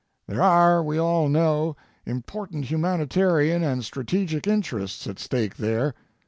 There are, we all know, important humanitarian and strategic interests at stake there.